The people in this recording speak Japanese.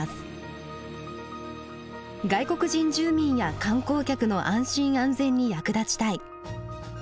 外国人住民や観光客の安心・安全に役立ちたい。